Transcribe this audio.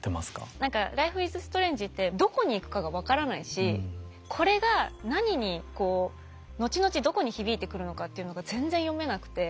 何か「ライフイズストレンジ」ってどこに行くかが分からないしこれが何にこう後々どこに響いてくるのかっていうのが全然読めなくて。